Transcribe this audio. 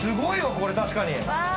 これ確かに。